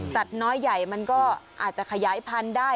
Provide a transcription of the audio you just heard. น้อยใหญ่มันก็อาจจะขยายพันธุ์ได้